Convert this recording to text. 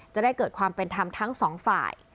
จะได้เกิดความเป็นธรรมทั้งสองฝ่าย